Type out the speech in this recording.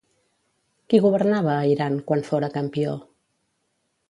Qui governava a Iran quan fora campió?